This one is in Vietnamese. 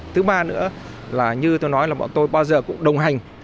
thứ ba nữa là như tôi nói là bọn tôi bao giờ cũng đồng hành